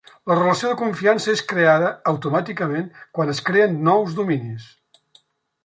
La relació de confiança és creada automàticament quan es creen nous dominis.